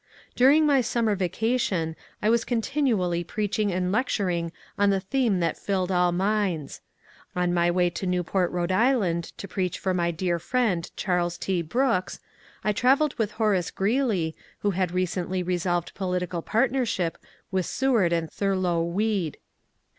During my summer vacation I was continually preaching and lecturing on the theme that filled all minds. On my way to Newport, R. I., to preach for my dear friend Charles T. Brooks, I travelled with Horace Grreeley, who had recently dis solved political partnership with Seward and Thurlow Weed.